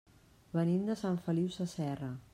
Venim de Sant Feliu Sasserra.